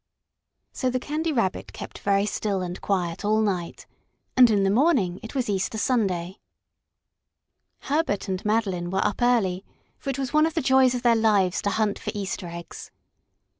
So the Candy Rabbit kept very still and quiet all night, and in the morning it was Easter Sunday. Herbert and Madeline were up early, for it was one of the joys of their lives to hunt for Easter eggs.